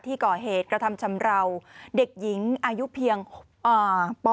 ก่อเหตุกระทำชำราวเด็กหญิงอายุเพียงป